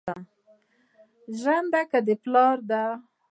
ژرنده که د پلار ده